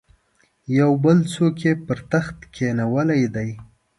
یو بل څوک یې پر تخت کښېنولی دی.